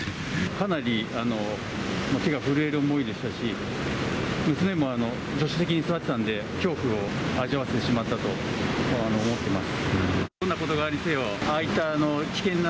かなり手が震える思いでしたし、娘も助手席に座っていたんで、恐怖を味わわせてしまったと思ってます。